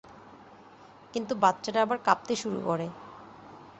কিন্তু বাচ্চাটা আবার কাঁপতে শুরু করে।